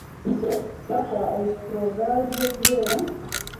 imisoro yakwa electorogaze kubera